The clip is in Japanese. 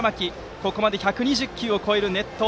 ここまで１２０球を超える熱投。